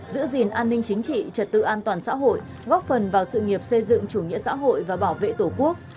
giữ gìn an ninh chính trị trật tự an toàn xã hội góp phần vào sự nghiệp xây dựng chủ nghĩa xã hội và bảo vệ tổ quốc